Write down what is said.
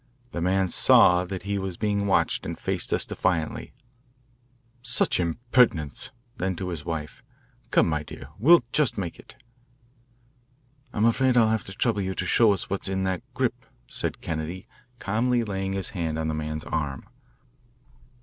The man saw that he was being watched and faced us defiantly, "Such impertinence!" Then to his wife, "Come, my dear, we'll just make it." "I'm afraid I'll have to trouble you to show us what's in that grip," said Kennedy, calmly laying his hand on the man's arm.